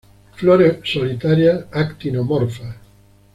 Flores solitarias, actinomorfas.